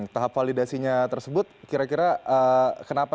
tahap validasinya tersebut kira kira kenapa